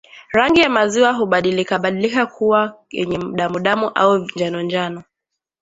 Rangi ya maziwa hubadilikabadilika kuwa yenye damudamu au njanonjano